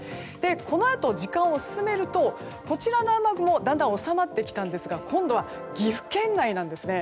このあと、時間を進めるとこちらの雨雲はだんだん収まってきたんですが今度は岐阜県内ですね。